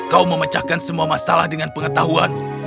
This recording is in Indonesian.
kau memecahkan semua masalah dengan pengetahuanmu